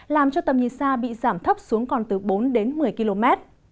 làm cho tầm nhìn xa bị giảm thấp xuống còn từ bốn đến một mươi km